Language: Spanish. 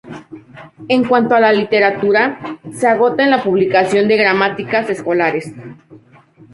En cuanto a la Literatura, se agota en la publicación de gramáticas escolares.